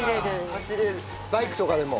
バイクとかでも？